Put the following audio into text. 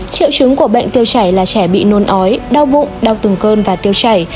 triệu chứng của bệnh tiêu chảy là trẻ bị nôn ói đau bụng đau từng cơn và tiêu chảy